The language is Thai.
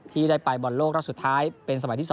ที่ได้ไปบอลโลกรอบสุดท้ายเป็นสมัยที่๒